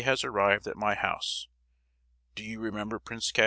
has arrived at my house. Do you remember Prince K.?"